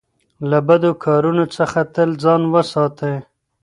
له بدو کارونو څخه تل ځان وساتئ.